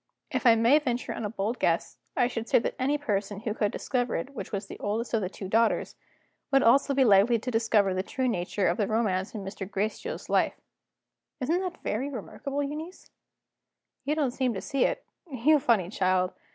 If I may venture on a bold guess, I should say that any person who could discover which was the oldest of the two daughters, would be also likely to discover the true nature of the romance in Mr. Gracedieu's life.' Isn't that very remarkable, Euneece? You don't seem to see it you funny child!